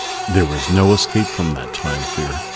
There was no escape from that Time Fear.